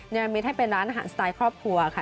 ยังมีให้เป็นร้านอาหารสไตล์ครอบครัวค่ะ